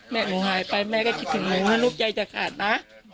หนูหายไปแม่ก็คิดถึงหนูนะลูกใจจะขาดนะ